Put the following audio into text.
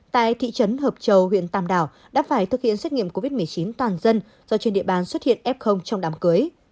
tại thị trấn hợp châu huyện tàm đào đã phải thực hiện xét nghiệm covid một mươi chín toàn dân do trên địa bàn xuất hiện f trong đám cưới